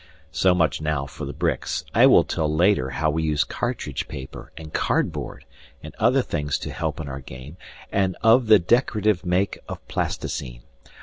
So much now for the bricks. I will tell later how we use cartridge paper and cardboard and other things to help in our and of the decorative make of plasticine.